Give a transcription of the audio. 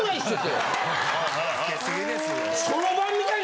・つけ過ぎですよ・・